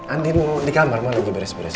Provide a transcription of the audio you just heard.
andi di kamar lagi beres beres